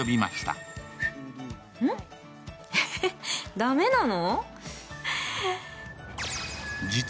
だめなの？